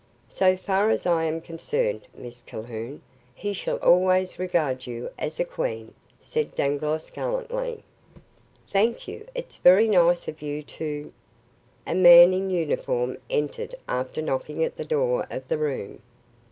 "So far as I am concerned, Miss Calhoun, he shall always regard you as a queen," said Dangloss gallantly. "Thank you. It's very nice of you to " A man in uniform entered after knocking at the door of the room.